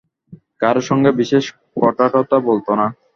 কারো সঙ্গে বিশেষ কথাটথা বলত না।